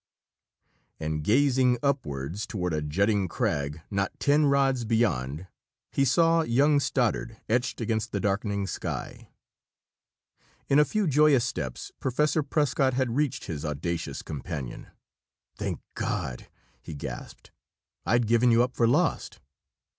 And gazing upwards toward a jutting crag not ten rods beyond, he saw young Stoddard etched against the darkening sky. In a few joyous steps, Professor Prescott had reached his audacious companion. "Thank God!" he gasped. "I'd given you up for lost."